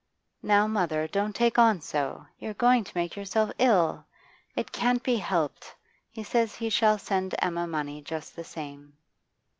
'Now, mother, don't take on so! You're going to make yourself ill. It can't be helped. He says he shall send Emma money just the same.